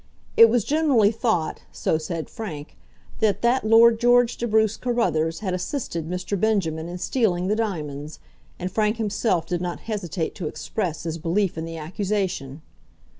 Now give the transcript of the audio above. It was generally thought, so said Frank, that that Lord George de Bruce Carruthers had assisted Mr. Benjamin in stealing the diamonds, and Frank himself did not hesitate to express his belief in the accusation.